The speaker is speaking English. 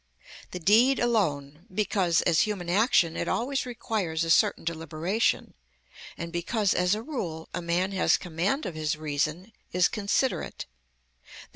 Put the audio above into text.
The deed alone,—because as human action it always requires a certain deliberation, and because as a rule a man has command of his reason, is considerate, _i.